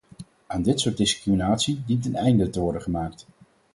Aan dit soort discriminatie dient een einde te worden gemaakt.